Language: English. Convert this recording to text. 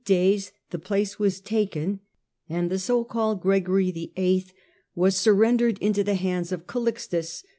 days the place was taken, and the so called pope, 1121 Gregory VIII wa,s surrendered into the hands of Calixtus.